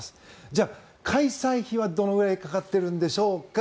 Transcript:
じゃあ、開催費はどのくらいかかっているんでしょうか。